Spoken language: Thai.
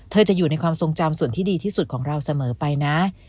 จะอยู่ในความทรงจำส่วนที่ดีที่สุดของเราเสมอไปนะ